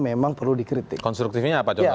memang perlu dikritik konstruktifnya apa jokowi